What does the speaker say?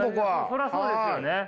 そらそうですよね！